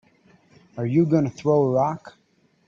Are you gonna throw a rock?